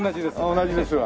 同じですわ。